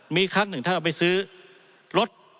มีครั้งหนึ่งท่านเอาไปซื้อรถ